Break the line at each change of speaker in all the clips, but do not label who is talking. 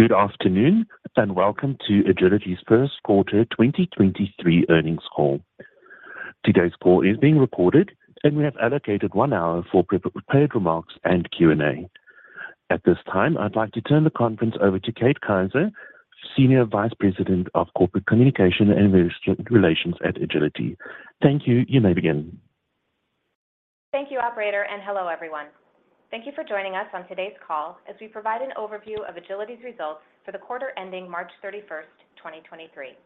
Good afternoon. Welcome to Agiliti's Q1 2023 Earnings Call. Today's call is being recorded. We have allocated one hour for pre-prepared remarks and Q&A. At this time, I'd like to turn the conference over to Kate Kaiser, Senior Vice President of Corporate Communication and Investor Relations at Agiliti. Thank you. You may begin.
Thank you, operator, and hello everyone. Thank you for joining us on today's call as we provide an overview of Agiliti's results for the quarter ending March 31st, 2023.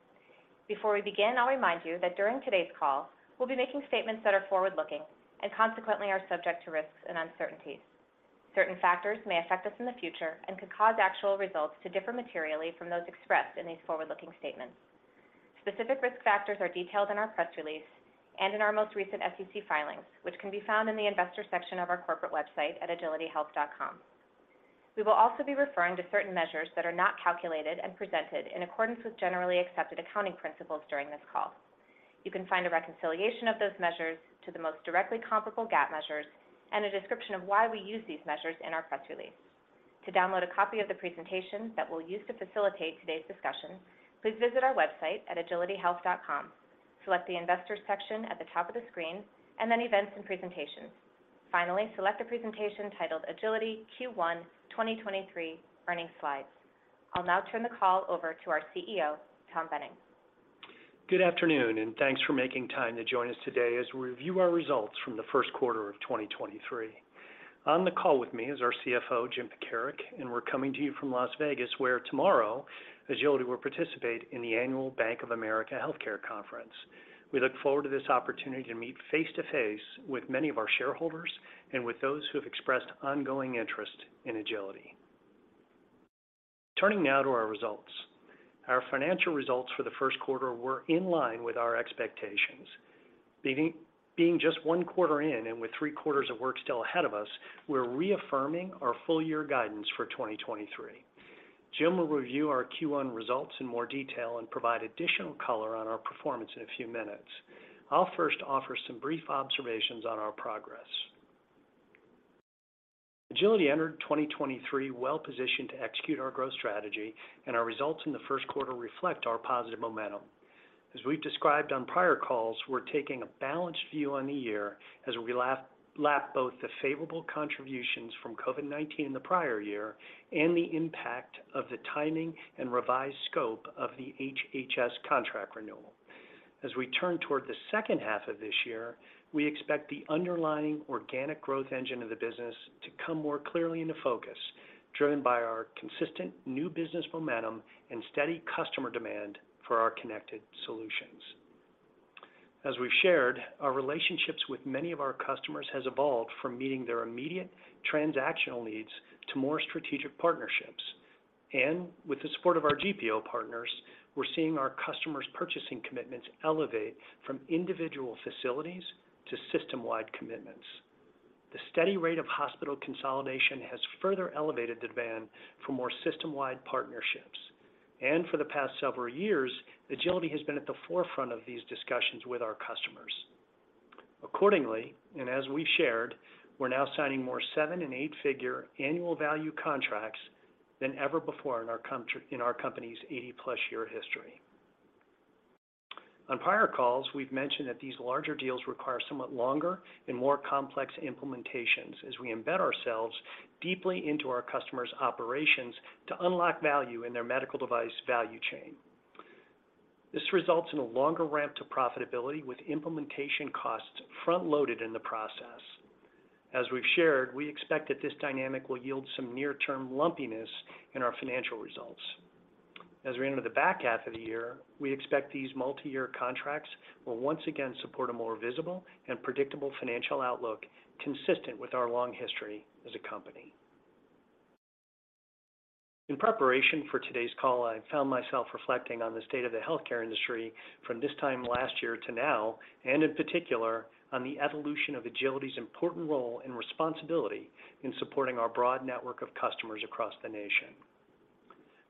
Before we begin, I'll remind you that during today's call, we'll be making statements that are forward-looking and consequently are subject to risks and uncertainties. Certain factors may affect us in the future and could cause actual results to differ materially from those expressed in these forward-looking statements. Specific risk factors are detailed in our press release and in our most recent SEC filings, which can be found in the investor section of our corporate website at agilitihealth.com. We will also be referring to certain measures that are not calculated and presented in accordance with generally accepted accounting principles during this call. You can find a reconciliation of those measures to the most directly comparable GAAP measures and a description of why we use these measures in our press release. To download a copy of the presentation that we'll use to facilitate today's discussion, please visit our website at agilitihealth.com. Select the investor section at the top of the screen and then events and presentations. Finally, select the presentation titled Agiliti Q1 2023 Earnings Slides. I'll now turn the call over to our CEO, Tom Boehning.
Good afternoon, and thanks for making time to join us today as we review our results from the Q1 of 2023. On the call with me is our CFO, Jim Pekarek, and we're coming to you from Las Vegas, where tomorrow, Agiliti will participate in the annual Bank of America Healthcare Conference. We look forward to this opportunity to meet face-to-face with many of our shareholders and with those who have expressed ongoing interest in Agiliti. Turning now to our results. Our financial results for the Q1 were in line with our expectations. Being just one quarter in and with three quarters of work still ahead of us, we're reaffirming our full year guidance for 2023. Jim will review our Q1 results in more detail and provide additional color on our performance in a few minutes. I'll first offer some brief observations on our progress. Agiliti entered 2023 well-positioned to execute our growth strategy, and our results in the Q1 reflect our positive momentum. As we've described on prior calls, we're taking a balanced view on the year as we lap both the favorable contributions from COVID-19 in the prior year and the impact of the timing and revised scope of the HHS contract renewal. As we turn toward the H2 of this year, we expect the underlying organic growth engine of the business to come more clearly into focus, driven by our consistent new business momentum and steady customer demand for our connected solutions. As we've shared, our relationships with many of our customers has evolved from meeting their immediate transactional needs to more strategic partnerships. And with the support of our GPO partners, we're seeing our customers' purchasing commitments elevate from individual facilities to system-wide commitments. The steady rate of hospital consolidation has further elevated demand for more system-wide partnerships. For the past several years, Agiliti has been at the forefront of these discussions with our customers. Accordingly, and as we've shared, we're now signing more seven and eight figure annual value contracts than ever before in our company's 80-plus year history. On prior calls, we've mentioned that these larger deals require somewhat longer and more complex implementations as we embed ourselves deeply into our customers' operations to unlock value in their medical device value chain. This results in a longer ramp to profitability with implementation costs front-loaded in the process. As we've shared, we expect that this dynamic will yield some near term lumpiness in our financial results. As we enter the back half of the year, we expect these multi-year contracts will once again support a more visible and predictable financial outlook consistent with our long history as a company. In preparation for today's call, I found myself reflecting on the state of the healthcare industry from this time last year to now, and in particular on the evolution of Agiliti's important role and responsibility in supporting our broad network of customers across the nation.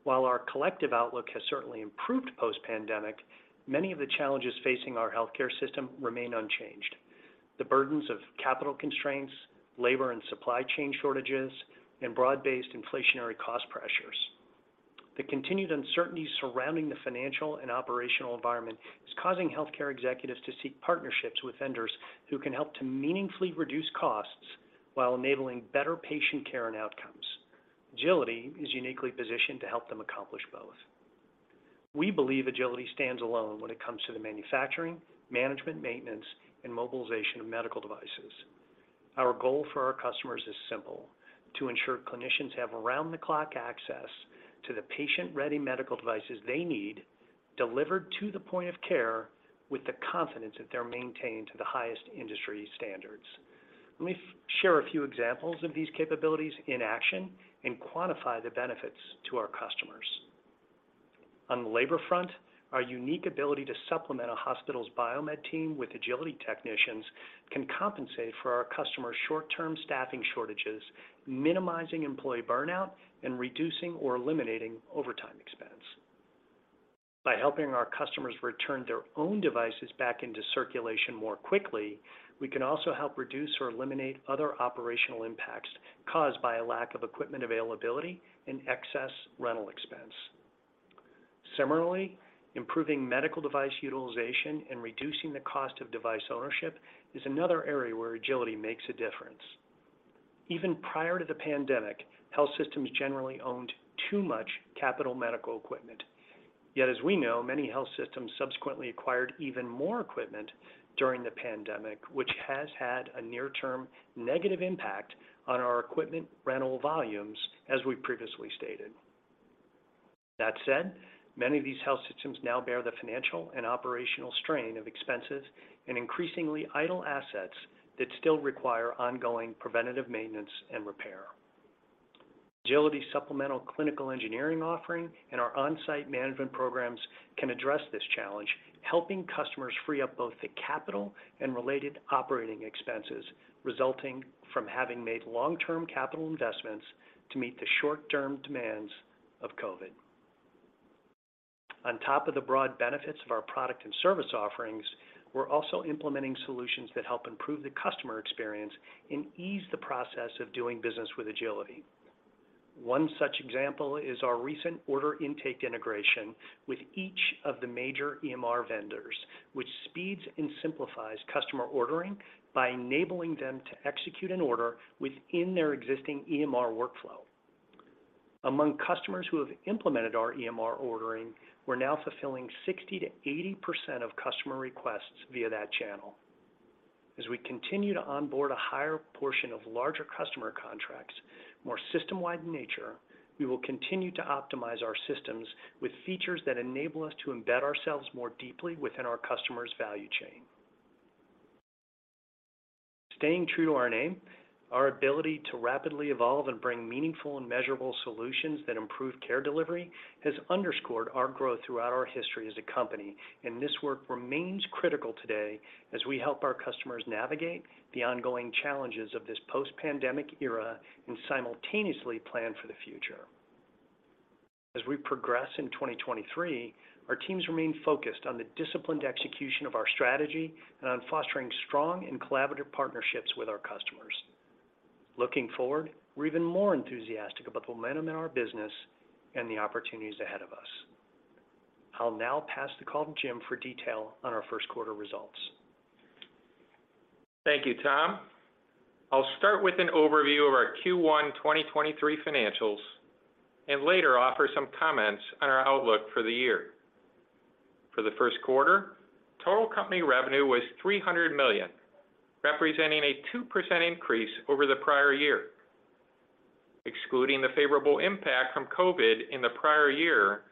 While our collective outlook has certainly improved post-pandemic, many of the challenges facing our healthcare system remain unchanged. The burdens of capital constraints, labor and supply chain shortages, and broad-based inflationary cost pressures. The continued uncertainty surrounding the financial and operational environment is causing healthcare executives to seek partnerships with vendors who can help to meaningfully reduce costs while enabling better patient care and outcomes. Agiliti is uniquely positioned to help them accomplish both. We believe Agiliti stands alone when it comes to the manufacturing, management, maintenance, and mobilization of medical devices. Our goal for our customers is simple, to ensure clinicians have around-the-clock access to the patient-ready medical devices they need delivered to the point of care with the confidence that they're maintained to the highest industry standards. Let me share a few examples of these capabilities in action and quantify the benefits to our customers. On the labor front, our unique ability to supplement a hospital's biomed team with Agiliti technicians can compensate for our customers' short-term staffing shortages, minimizing employee burnout and reducing or eliminating overtime expenses. By helping our customers return their own devices back into circulation more quickly, we can also help reduce or eliminate other operational impacts caused by a lack of equipment availability and excess rental expense. Similarly, improving medical device utilization and reducing the cost of device ownership is another area where Agiliti makes a difference. Even prior to the pandemic, health systems generally owned too much capital medical equipment. As we know, many health systems subsequently acquired even more equipment during the pandemic, which has had a near-term negative impact on our equipment rental volumes, as we previously stated. That said, many of these health systems now bear the financial and operational strain of expenses and increasingly idle assets that still require ongoing preventative maintenance and repair. Agiliti's supplemental clinical engineering offering and our on-site management programs can address this challenge, helping customers free up both the capital and related operating expenses resulting from having made long-term capital investments to meet the short-term demands of COVID. On top of the broad benefits of our product and service offerings, we're also implementing solutions that help improve the customer experience and ease the process of doing business with Agiliti. One such example is our recent order intake integration with each of the major EMR vendors, which speeds and simplifies customer ordering by enabling them to execute an order within their existing EMR workflow. Among customers who have implemented our EMR ordering, we're now fulfilling 60%-80% of customer requests via that channel. As we continue to onboard a higher portion of larger customer contracts, more system-wide in nature, we will continue to optimize our systems with features that enable us to embed ourselves more deeply within our customers' value chain. Staying true to our name, our ability to rapidly evolve and bring meaningful and measurable solutions that improve care delivery has underscored our growth throughout our history as a company. This work remains critical today as we help our customers navigate the ongoing challenges of this post-pandemic era and simultaneously plan for the future. As we progress in 2023, our teams remain focused on the disciplined execution of our strategy and on fostering strong and collaborative partnerships with our customers. Looking forward, we're even more enthusiastic about the momentum in our business and the opportunities ahead of us. I'll now pass the call to Jim for detail on our Q1 results.
Thank you, Tom. I'll start with an overview of our Q1 2023 financials and later offer some comments on our outlook for the year. For the Q1, total company revenue was $300 million, representing a 2% increase over the prior year. Excluding the favorable impact from COVID in the prior year,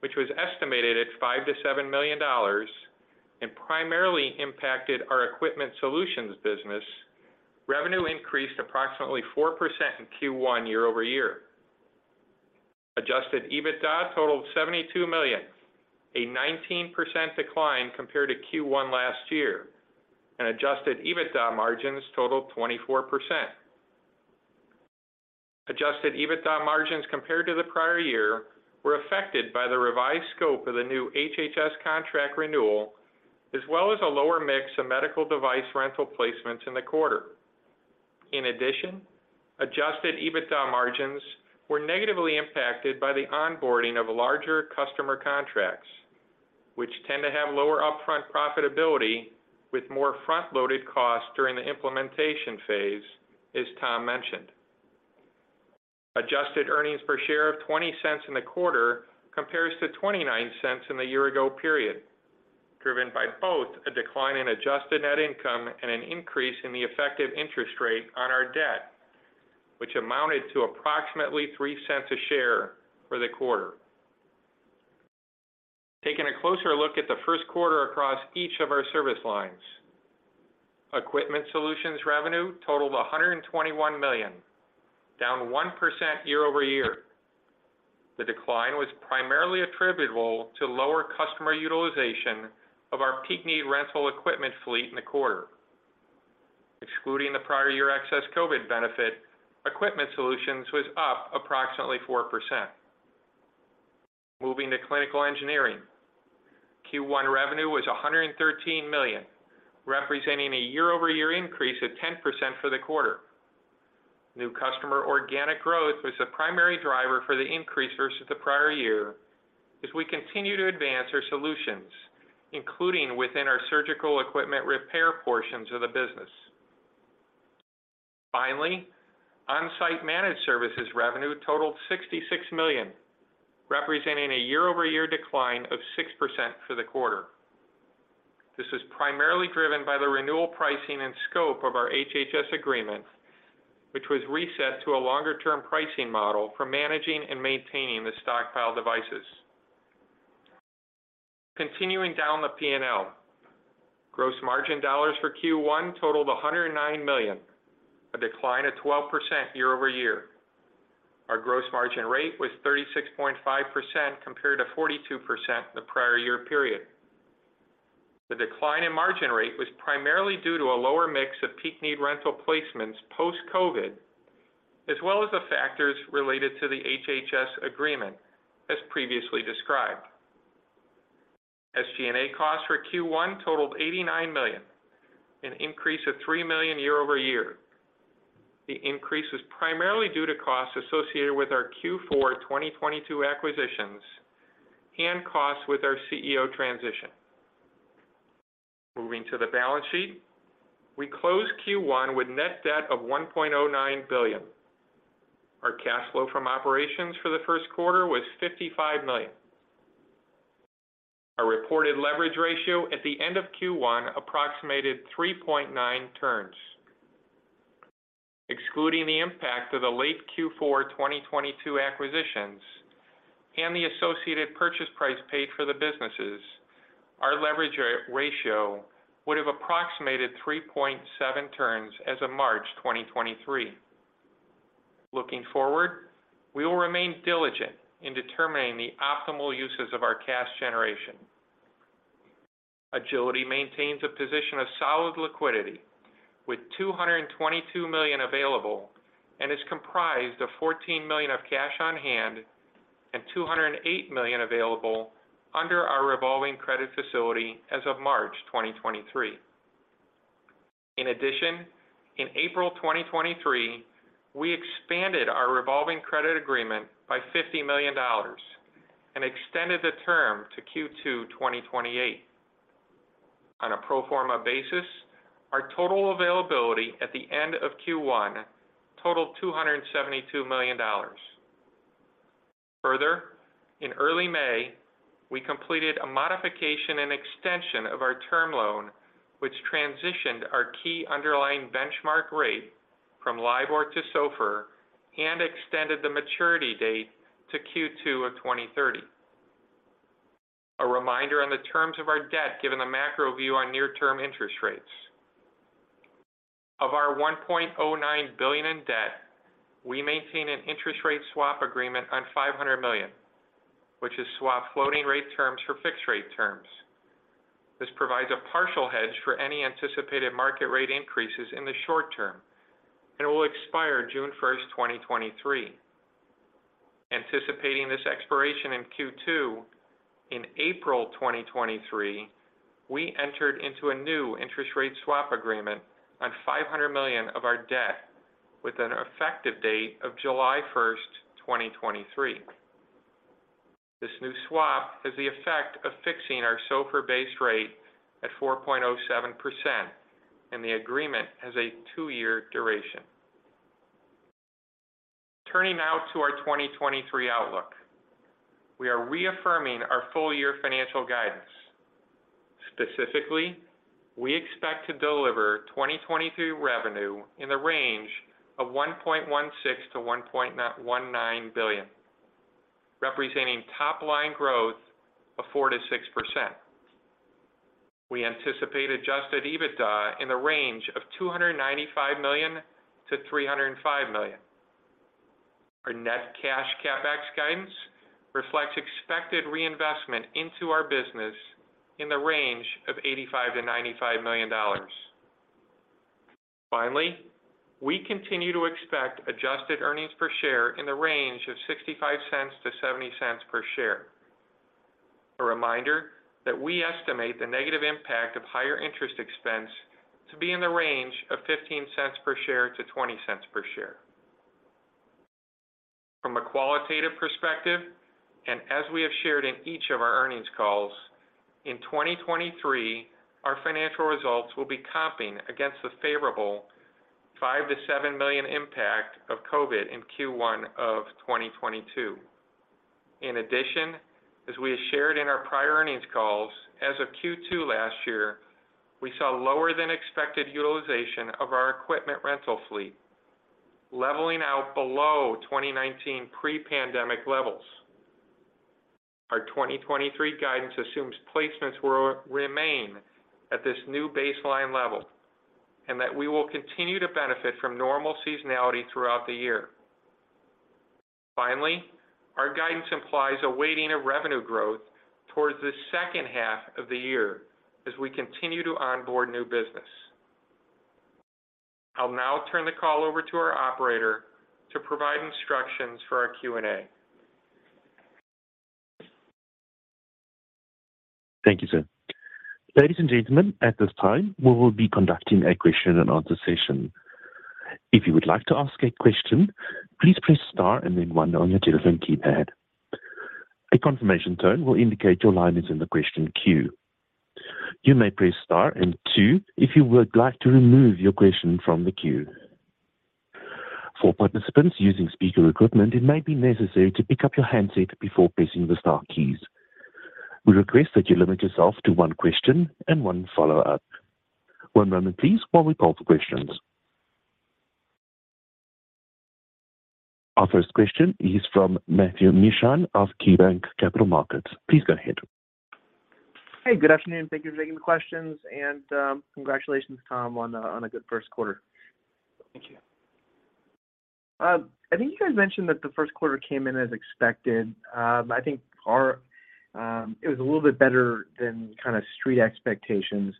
which was estimated at $5-7 million and primarily impacted our Equipment Solutions business, revenue increased approximately 4% in Q1 year-over-year. Adjusted EBITDA totaled $72 million, a 19% decline compared to Q1 last year, and Adjusted EBITDA margins totaled 24%. Adjusted EBITDA margins compared to the prior year were affected by the revised scope of the new HHS contract renewal, as well as a lower mix of medical device rental placements in the quarter. In addition, Adjusted EBITDA margins were negatively impacted by the onboarding of larger customer contracts, which tend to have lower upfront profitability with more front-loaded costs during the implementation phase, as Tom mentioned. Adjusted Earnings Per Share of $0.20 in the quarter compares to $0.29 in the year-ago period, driven by both a decline in adjusted net income and an increase in the effective interest rate on our debt, which amounted to approximately $0.03 a share for the quarter. Taking a closer look at the Q1 across each of our service lines. Equipment Solutions revenue totaled $121 million, down 1% year-over-year. The decline was primarily attributable to lower customer utilization of our peak-need rental equipment fleet in the quarter. Excluding the prior year excess COVID benefit, Equipment Solutions was up approximately 4%. Moving to Clinical Engineering. Q1 revenue was $113 million, representing a year-over-year increase of 10% for the quarter. New customer organic growth was the primary driver for the increase versus the prior year as we continue to advance our solutions, including within our surgical equipment repair portions of the business. Finally, Onsite Managed Services revenue totaled $66 million, representing a year-over-year decline of 6% for the quarter. This was primarily driven by the renewal pricing and scope of our HHS agreement, which was reset to a longer-term pricing model for managing and maintaining the stockpile devices. Continuing down the P&L. Gross margin dollars for Q1 totaled $109 million, a decline of 12% year-over-year. Our gross margin rate was 36.5% compared to 42% the prior year period. The decline in margin rate was primarily due to a lower mix of peak-need rental placements post-COVID, as well as the factors related to the HHS agreement, as previously described. SG&A costs for Q1 totaled $89 million, an increase of $3 million year-over-year. The increase is primarily due to costs associated with our Q4 2022 acquisitions and costs with our CEO transition. Moving to the balance sheet. We closed Q1 with net debt of $1.09 billion. Our cash flow from operations for the Q1 was $55 million. Our reported leverage ratio at the end of Q1 approximated 3.9 turns. Excluding the impact of the late Q4 2022 acquisitions and the associated purchase price paid for the businesses, our leverage ratio would have approximated 3.7 turns as of March 2023. Looking forward, we will remain diligent in determining the optimal uses of our cash generation. Agiliti maintains a position of solid liquidity with $222 million available and is comprised of $14 million of cash on hand and $208 million available under our revolving credit facility as of March 2023. In addition, in April 2023, we expanded our revolving credit agreement by $50 million and extended the term to Q2 2028. On a pro forma basis, our total availability at the end of Q1 totaled $272 million. Further, in early May, we completed a modification and extension of our term loan, which transitioned our key underlying benchmark rate from LIBOR to SOFR and extended the maturity date to Q2 of 2030. A reminder on the terms of our debt, given the macro view on near-term interest rates. Of our $1.09 billion in debt, we maintain an interest rate swap agreement on $500 million, which is swap floating rate terms for fixed rate terms. This provides a partial hedge for any anticipated market rate increases in the short term and will expire June 1st, 2023. Anticipating this expiration in Q2, in April 2023, we entered into a new interest rate swap agreement on $500 million of our debt with an effective date of July 1st, 2023. This new swap has the effect of fixing our SOFR-based rate at 4.07%, and the agreement has a two year duration. Turning now to our 2023 outlook. We are reaffirming our full year financial guidance. Specifically, we expect to deliver 2023 revenue in the range of $1.16-1.19 billion, representing top line growth of 4%-6%. We anticipate Adjusted EBITDA in the range of $295-305 million. Our net cash CapEx guidance reflects expected reinvestment into our business in the range of $85-95 million. Finally, we continue to expect Adjusted Earnings Per Share in the range of $0.65-$0.70 per share. A reminder that we estimate the negative impact of higher interest expense to be in the range of $0.15 per share to $0.20 per share. From a qualitative perspective, and as we have shared in each of our earnings calls, in 2023, our financial results will be comping against the favorable $5-7 million impact of COVID in Q1 of 2022. In addition, as we have shared in our prior earnings calls, as of Q2 last year, we saw lower than expected utilization of our equipment rental fleet, leveling out below 2019 pre-pandemic levels. Our 2023 guidance assumes placements will remain at this new baseline level and that we will continue to benefit from normal seasonality throughout the year. Finally, our guidance implies a weighting of revenue growth towards the H2 of the year as we continue to onboard new business. I'll now turn the call over to our operator to provide instructions for our Q&A.
Thank you, sir. Ladies and gentlemen, at this time, we will be conducting a question and answer session. If you would like to ask a question, please press star and then one on your telephone keypad. A confirmation tone will indicate your line is in the question queue. You may press star and two if you would like to remove your question from the queue. For participants using speaker equipment, it may be necessary to pick up your handset before pressing the star keys. We request that you limit yourself to one question and one follow-up. One moment please while we call for questions. Our first question is from Matthew Mishan of KeyBanc Capital Markets. Please go ahead.
Hey, good afternoon. Thank you for taking the questions, congratulations, Tom, on a good Q1.
Thank you.
I think you guys mentioned that the Q1 came in as expected. It was a little bit better than kind of street expectations.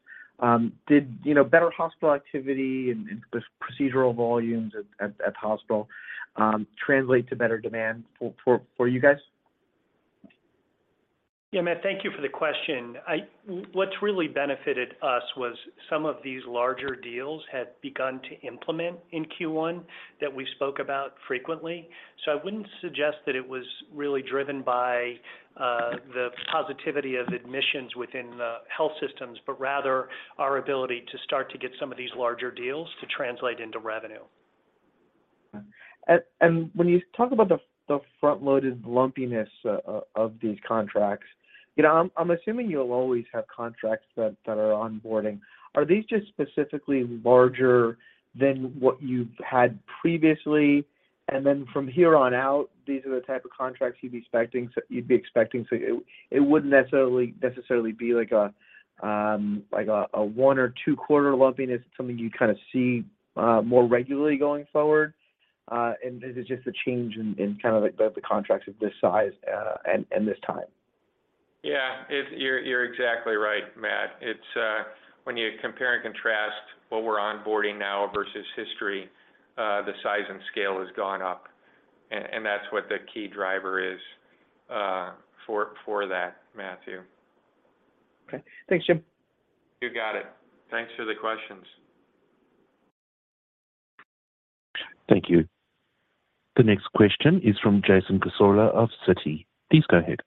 Did, you know, better hospital activity and pro-procedural volumes at hospital translate to better demand for you guys?
Matt, thank you for the question. What's really benefited us was some of these larger deals had begun to implement in Q1 that we spoke about frequently. I wouldn't suggest that it was really driven by the positivity of admissions within the health systems, but rather our ability to start to get some of these larger deals to translate into revenue.
When you talk about the front-loaded lumpiness of these contracts, you know, I'm assuming you'll always have contracts that are onboarding. Are these just specifically larger than what you've had previously, and then from here on out, these are the type of contracts you'd be expecting, so it wouldn't necessarily be like a one or two quarter lumpiness, something you kind of see more regularly going forward, and this is just a change in kind of like the contracts of this size, and this time?
Yeah. You're exactly right, Matt. It's when you compare and contrast what we're onboarding now versus history, the size and scale has gone up, and that's what the key driver is for that, Matthew.
Okay. Thanks, Jim.
You got it. Thanks for the questions.
Thank you. The next question is from Jason Cassorla of Citi. Please go ahead.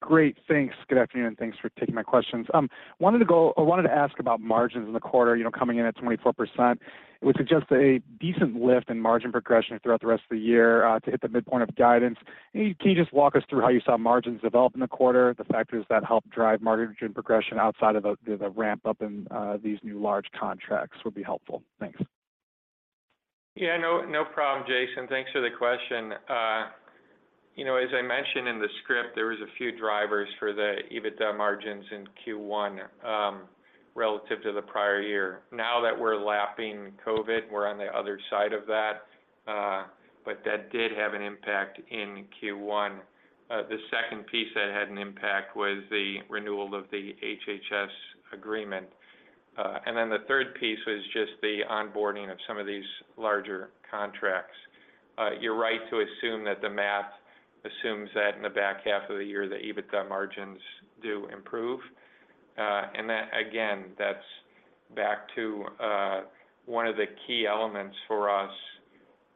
Great. Thanks. Good afternoon. Thanks for taking my questions. I wanted to ask about margins in the quarter, you know, coming in at 24%. It would suggest a decent lift in margin progression throughout the rest of the year to hit the midpoint of guidance. Can you just walk us through how you saw margins develop in the quarter, the factors that helped drive margin progression outside of the ramp-up in these new large contracts would be helpful. Thanks.
No, no problem, Jason. Thanks for the question. You know, as I mentioned in the script, there was a few drivers for the EBITDA margins in Q1 relative to the prior year. Now that we're lapping COVID, we're on the other side of that did have an impact in Q1. The second piece that had an impact was the renewal of the HHS agreement. The third piece was just the onboarding of some of these larger contracts. You're right to assume that the math assumes that in the back half of the year, the EBITDA margins do improve. That again, that's back to one of the key elements for us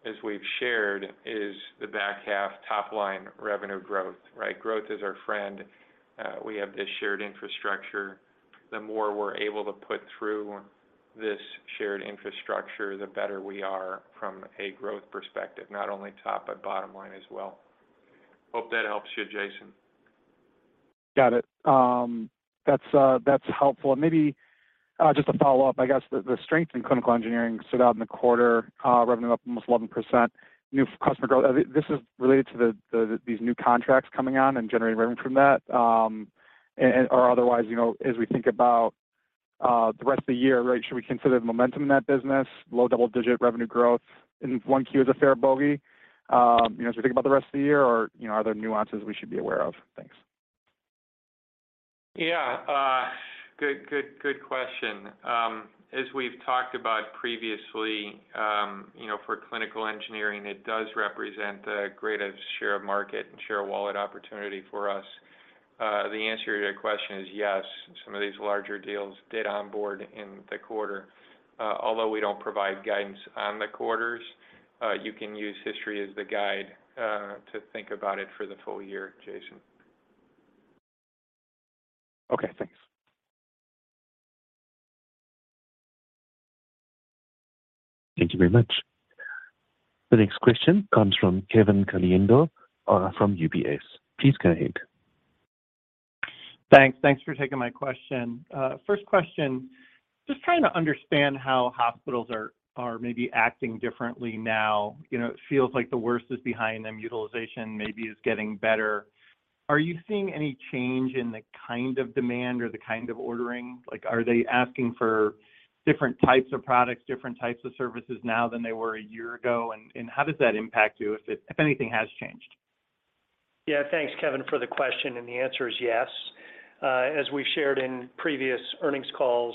as we've shared, is the back half top line revenue growth, right? Growth is our friend. We have this shared infrastructure. The more we're able to put through this shared infrastructure, the better we are from a growth perspective, not only top but bottom line as well. Hope that helps you, Jason.
Got it. That's helpful. Maybe, just to follow up, I guess the strength in Clinical Engineering stood out in the quarter, revenue up almost 11%, new customer growth. This is related to these new contracts coming on and generating revenue from that. Or otherwise, you know, as we think about the rest of the year, right, should we consider the momentum in that business, low double-digit revenue growth in 1Q is a fair bogey, you know, as we think about the rest of the year or, you know, are there nuances we should be aware of? Thanks.
Yeah. Good question. As we've talked about previously, you know, for Clinical Engineering, it does represent the greatest share of market and share wallet opportunity for us. The answer to your question is yes, some of these larger deals did onboard in the quarter. Although we don't provide guidance on the quarters, you can use history as the guide, to think about it for the full year, Jason.
Okay, thanks.
Thank you very much. The next question comes from Kevin Caliendo, from UBS. Please go ahead.
Thanks. Thanks for taking my question. First question, just trying to understand how hospitals are maybe acting differently now. You know, it feels like the worst is behind them. Utilization maybe is getting better. Are you seeing any change in the kind of demand or the kind of ordering? Like, are they asking for different types of products, different types of services now than they were a year ago? How does that impact you if anything has changed?
Yeah. Thanks, Kevin, for the question. The answer is yes. As we've shared in previous earnings calls,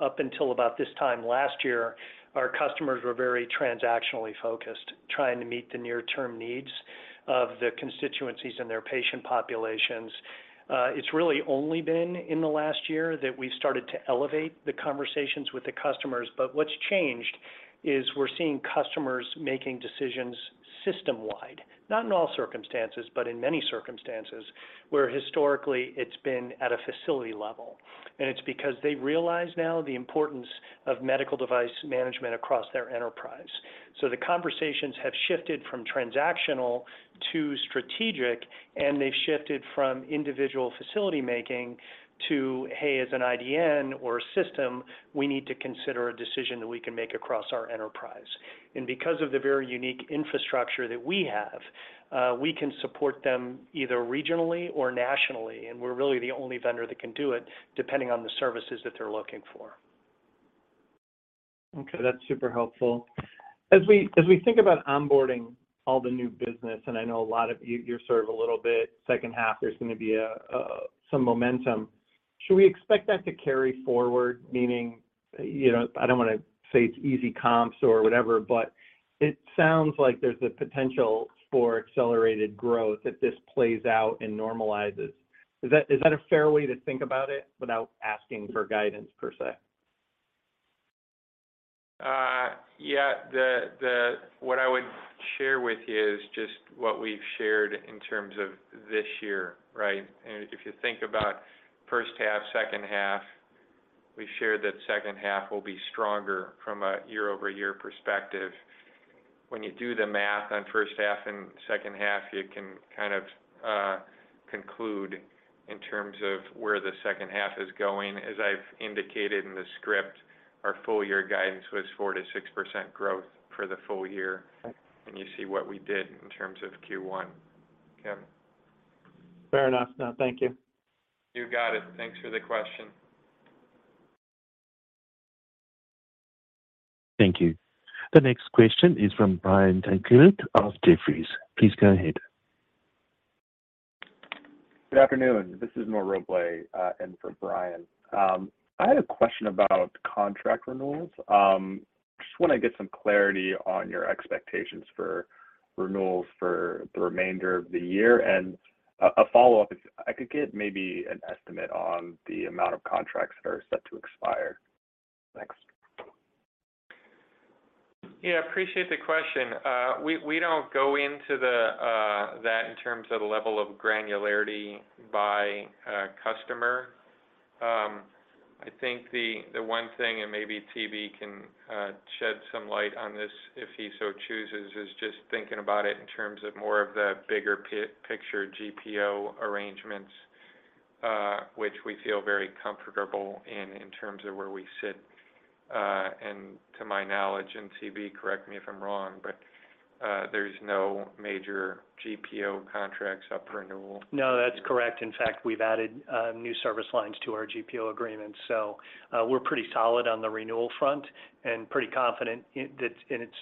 up until about this time last year, our customers were very transactionally focused, trying to meet the near-term needs of the constituencies and their patient populations. It's really only been in the last year that we started to elevate the conversations with the customers. What's changed is we're seeing customers making decisions system-wide, not in all circumstances, but in many circumstances, where historically it's been at a facility level, and it's because they realize now the importance of medical device management across their enterprise. The conversations have shifted from transactional to strategic, and they've shifted from individual facility making to, hey, as an IDN or a system, we need to consider a decision that we can make across our enterprise. Because of the very unique infrastructure that we have, we can support them either regionally or nationally, and we're really the only vendor that can do it depending on the services that they're looking for.
Okay, that's super helpful. As we think about onboarding all the new business, and I know a lot of you're sort of a little bit H2, there's gonna be a some momentum. Should we expect that to carry forward? Meaning, you know, I don't wanna say it's easy comps or whatever, but it sounds like there's a potential for accelerated growth if this plays out and normalizes. Is that a fair way to think about it without asking for guidance per se?
Yeah. What I would share with you is just what we've shared in terms of this year, right. If you think about H1, H2, we've shared that H2 will be stronger from a year-over-year perspective. When you do the math on H1 and H2, you can kind of conclude in terms of where the H2 is going. As I've indicated in the script, our full year guidance was 4%-6% growth for the full year.
Okay.
You see what we did in terms of Q1. Kevin?
Fair enough. Now, thank you.
You got it. Thanks for the question.
Thank you. The next question is from Brian Tanquilut of Jefferies. Please go ahead.
Good afternoon. This is(Noro Bley) in for Brian. I had a question about contract renewals. Just wanna get some clarity on your expectations for renewals for the remainder of the year. A follow-up, if I could get maybe an estimate on the amount of contracts that are set to expire. Thanks.
Yeah, appreciate the question. We don't go into that in terms of the level of granularity by a customer. I think the one thing, and maybe TB can shed some light on this if he so chooses, is just thinking about it in terms of more of the bigger picture GPO arrangements, which we feel very comfortable in terms of where we sit. To my knowledge, and TB correct me if I'm wrong, but there's no major GPO contracts up for renewal.
No, that's correct. In fact, we've added, new service lines to our GPO agreements, so, we're pretty solid on the renewal front and pretty confident it's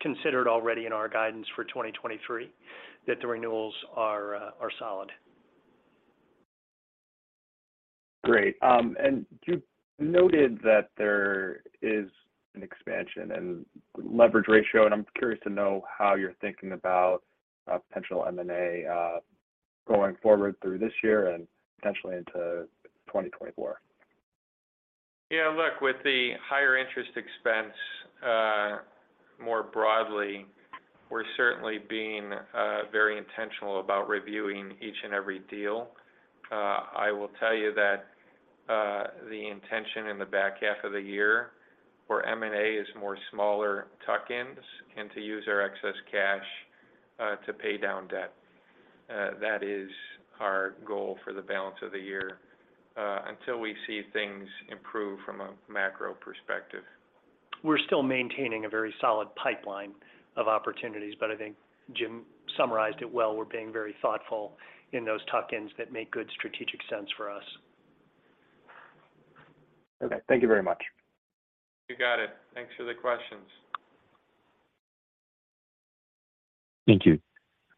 considered already in our guidance for 2023 that the renewals are solid.
Great. You noted that there is an expansion and leverage ratio, and I'm curious to know how you're thinking about potential M&A going forward through this year and potentially into 2024.
Yeah, look, with the higher interest expense, more broadly, we're certainly being very intentional about reviewing each and every deal. I will tell you that the intention in the back half of the year for M&A is more smaller tuck-ins and to use our excess cash to pay down debt. That is our goal for the balance of the year, until we see things improve from a macro perspective.
We're still maintaining a very solid pipeline of opportunities, but I think Jim summarized it well. We're being very thoughtful in those tuck-ins that make good strategic sense for us.
Okay. Thank you very much.
You got it. Thanks for the questions.
Thank you.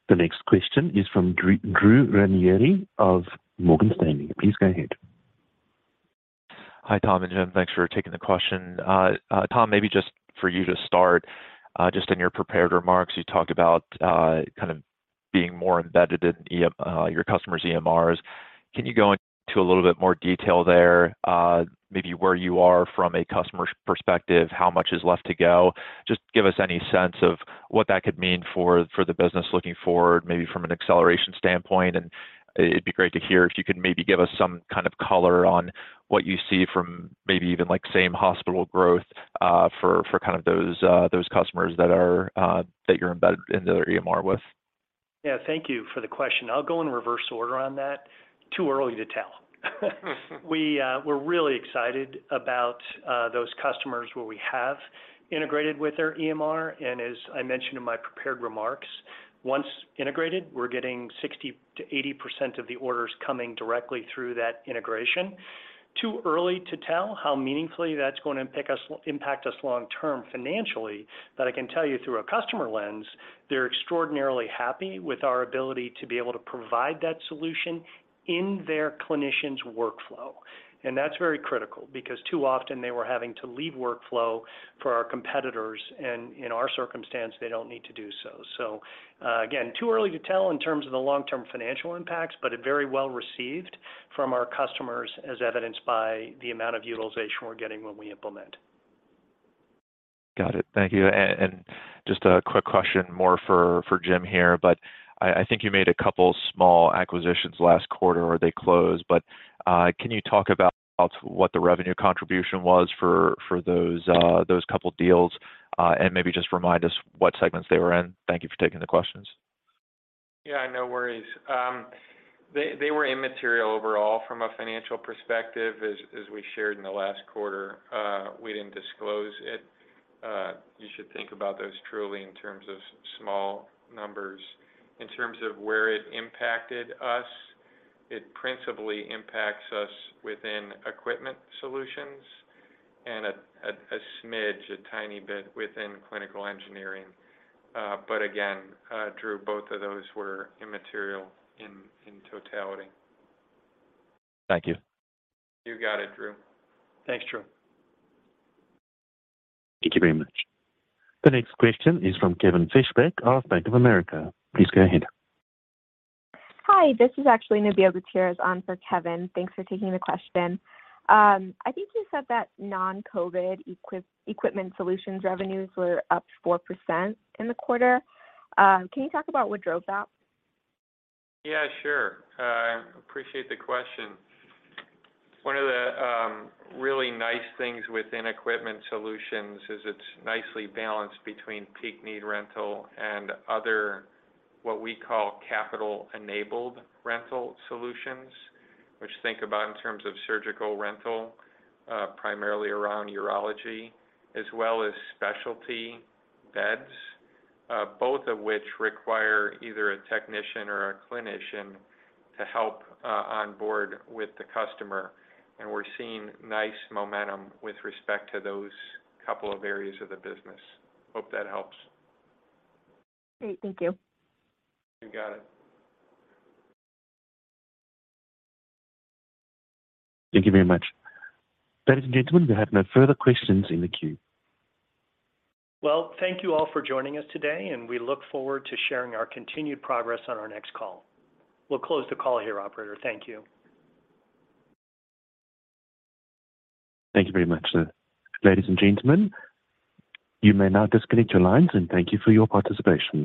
The next question is from Drew Ranieri of Morgan Stanley. Please go ahead.
Hi, Tom and Jim. Thanks for taking the question. Tom, maybe just for you to start, just in your prepared remarks, you talked about kind of being more embedded in your customers' EMRs. Can you go into a little bit more detail there, maybe where you are from a customer's perspective, how much is left to go? Just give us any sense of what that could mean for the business looking forward, maybe from an acceleration standpoint. It'd be great to hear if you could maybe give us some kind of color on what you see from maybe even, like, same hospital growth, for kind of those customers that are, that you're embedded into their EMR with.
Yeah, thank you for the question. I'll go in reverse order on that. Too early to tell. We're really excited about those customers where we have integrated with their EMR, and as I mentioned in my prepared remarks, once integrated, we're getting 60%-80% of the orders coming directly through that integration. Too early to tell how meaningfully that's gonna impact us long term financially. I can tell you through a customer lens, they're extraordinarily happy with our ability to be able to provide that solution in their clinician's workflow. That's very critical because too often they were having to leave workflow for our competitors. In our circumstance, they don't need to do so. Again, too early to tell in terms of the long-term financial impacts, but very well received from our customers as evidenced by the amount of utilization we're getting when we implement.
Got it. Thank you. Just a quick question more for Jim here, I think you made a couple small acquisitions last quarter where they closed, but, can you talk about what the revenue contribution was for those couple deals, and maybe just remind us what segments they were in? Thank you for taking the questions.
Yeah, no worries. They were immaterial overall from a financial perspective. As we shared in the last quarter, we didn't disclose it. You should think about those truly in terms of small numbers. In terms of where it impacted us, it principally impacts us within Equipment Solutions and a tiny bit within Clinical Engineering. Again, Drew, both of those were immaterial in totality.
Thank you.
You got it, Drew.
Thanks, Drew.
Thank you very much. The next question is from Kevin Fischbeck of Bank of America. Please go ahead.
Hi, this is actually (Nubeo Gutierrez) on for Kevin. Thanks for taking the question. I think you said that non-COVID Equipment Solutions revenues were up 4% in the quarter. Can you talk about what drove that?
Yeah, sure. I appreciate the question. One of the really nice things within Equipment Solutions is it's nicely balanced between peak-need rental and other, what we call capital-enabled rental solutions. Which, think about in terms of surgical rental, primarily around urology, as well as Specialty Beds, both of which require either a technician or a clinician to help on board with the customer. We're seeing nice momentum with respect to those couple of areas of the business. Hope that helps.
Great. Thank you.
You got it.
Thank you very much. Ladies and gentlemen, we have no further questions in the queue.
Well, thank you all for joining us today, and we look forward to sharing our continued progress on our next call. We'll close the call here, operator. Thank you.
Thank you very much. Ladies and gentlemen, you may now disconnect your lines, and thank you for your participation.